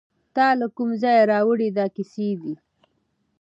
تاله کوم ځایه راوړي دا کیسې دي